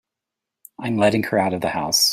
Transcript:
I'm letting her out of the house.